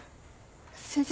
先生。